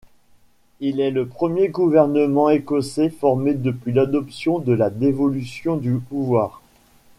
Il est le premier gouvernement écossais formé depuis l'adoption de la dévolution du pouvoir.